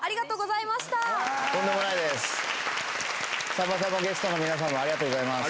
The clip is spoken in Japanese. さんまさんもゲストの皆さんもありがとうございます。